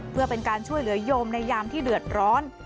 เพื่อเป็นการช่วยเหลือโยมในยามที่เดือดร้อน